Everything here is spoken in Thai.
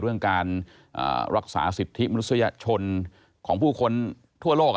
เรื่องการรักษาสิทธิมนุษยชนของผู้คนทั่วโลก